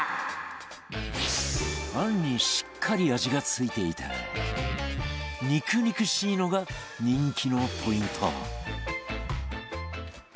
餡にしっかり味が付いていて肉肉しいのが人気のポイント